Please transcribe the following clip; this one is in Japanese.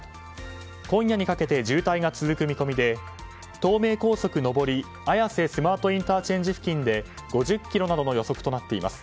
今夜にかけて渋滞が続く見込みで東名高速上り綾瀬スマートＩＣ付近で５０ｋｍなどの予測となっています。